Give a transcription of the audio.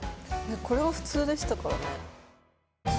これが普通でしたからね